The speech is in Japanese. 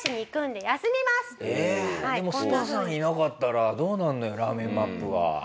でもスパさんいなかったらどうなるのよ『ラーメンＭＡＰ』は。